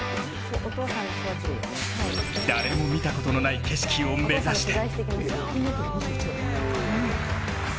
誰も見たことのない景色を目指して。